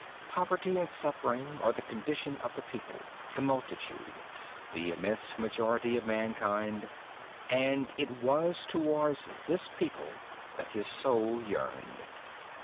Poverty and suffering are the condition of the people, the multitude, the immense majority of mankind; and it was towards this people that his soul yearned.